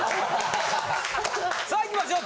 さあいきましょう。